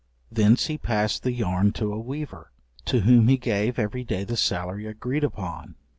Thence he passed the yarn to a weaver, to whom he gave every day the salary agreed upon.